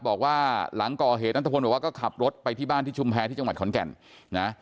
บอกว่าหลังก่อเหตุนัทพลบอกว่าก็ขับรถไปที่บ้านที่ชุมแพรที่จังหวัดขอนแก่นนะ